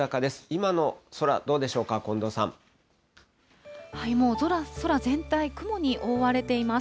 今の空、どうでしょうか、近藤さもう空全体、雲に覆われています。